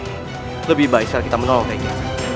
rai lebih baik sekali kita mengolongnya